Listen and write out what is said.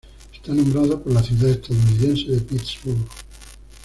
Está nombrado por la ciudad estadounidense de Pittsburgh.